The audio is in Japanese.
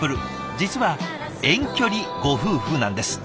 実は遠距離ご夫婦なんです。